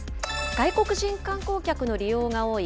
外国人観光客の利用が多い